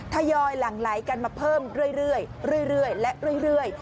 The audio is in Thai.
ทยอยหลั่งไหลกันมาเพิ่มเรื่อยและเรื่อย